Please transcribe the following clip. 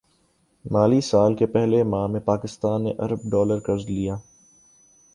مالی سال کے پہلے ماہ میں پاکستان نے ارب ڈالر قرض لیا